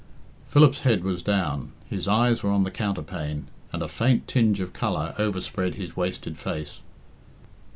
Philip's head was down, his eyes were on the counterpane, and a faint tinge of colour overspread his wasted face.